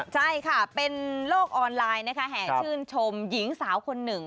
ใช่ค่ะเป็นโลกออนไลน์นะคะแห่ชื่นชมหญิงสาวคนหนึ่ง